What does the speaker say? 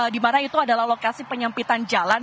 dimana itu adalah lokasi penyempitan jalan